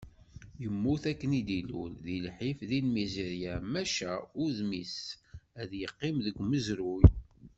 Yemmut akken i d-ilul, di lḥif d lmizirya, maca udem-is ad yeqqim deg umezruy.